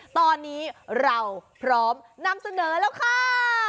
ตอนนี้เราพร้อมนำเสนอแล้วค่ะ